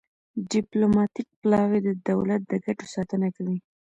ډیپلوماتیک پلاوی د دولت د ګټو ساتنه کوي